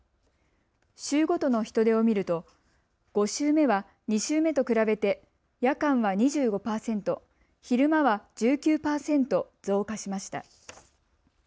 週ごとの人出を見ると５週目は２週目と比べて夜間は２５％、昼間は１９％増加しました。